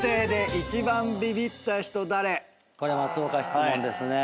これ松岡質問ですね。